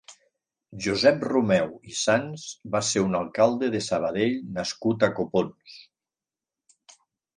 Josep Romeu i Sans va ser un alcalde de Sabadell nascut a Copons.